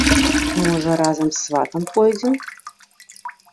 Можа, разам з сватам пойдзем?